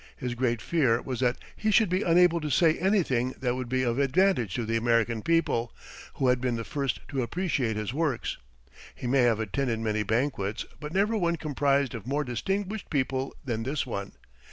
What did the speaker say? His great fear was that he should be unable to say anything that would be of advantage to the American people, who had been the first to appreciate his works. He may have attended many banquets, but never one comprised of more distinguished people than this one.